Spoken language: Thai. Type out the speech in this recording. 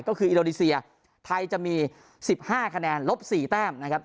ก็คืออินโดนีเซียไทยจะมี๑๕คะแนนลบ๔แต้มนะครับ